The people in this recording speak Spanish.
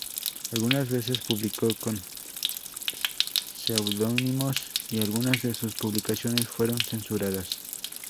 Algunas veces publicó con pseudónimos, y algunas de sus publicaciones fueron censuradas.